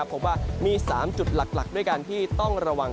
โทษว่ามี๓จุดหลักที่ต้องระวัง